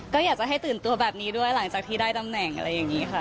ก็อยากจะให้ตื่นตัวแบบนี้ด้วยหลังจากที่ได้ตำแหน่งอะไรอย่างนี้ค่ะ